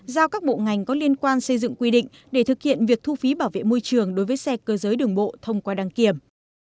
giao các bộ ngành có liên quan xây dựng quy định để thực hiện việc thu phí bảo vệ môi trường đối với xe cơ giới đường bộ thông qua đăng kiểm